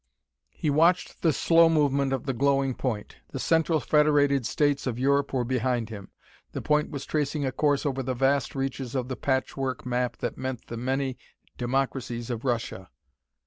He watched the slow movement of the glowing point. The Central Federated States of Europe were behind him; the point was tracing a course over the vast reaches of the patchwork map that meant the many democracies of Russia.